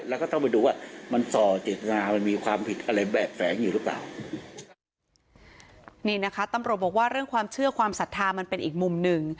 แล้วก็ต้องไปดูว่ามันต่อเจตนามันมีความผิดอะไรแบบแฝงอยู่หรือเปล่านี่นะคะตำรวจบอกว่าเรื่องความเชื่อความศรัทธามันเป็นอีกมุมหนึ่ง